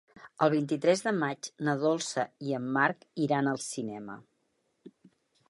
El vint-i-tres de maig na Dolça i en Marc iran al cinema.